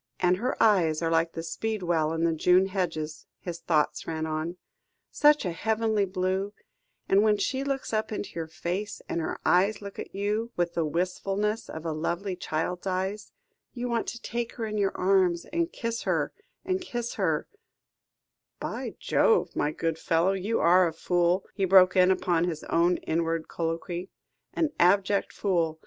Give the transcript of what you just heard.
"And her eyes are like the speedwell in the June hedges," his thoughts ran on; "such a heavenly blue, and when she looks up into your face, and her eyes look at you, with the wistfulness of a lovely child's eyes, you want to take her in your arms, and kiss her and kiss her " "By Jove, my good fellow, you are a fool," he broke in upon his own inward colloquy, "an abject fool.